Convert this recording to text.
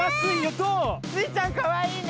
どう⁉スイちゃんかわいいね！